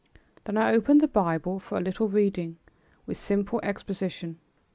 Then I opened the Bible for a little reading, with simple exposition.